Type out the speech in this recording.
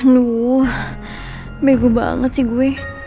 aduh begu banget sih gue